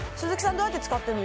どうやって使ってんの？